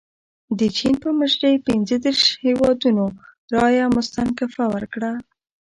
د چین په مشرۍ پنځه دېرش هیوادونو رایه مستنکفه ورکړه.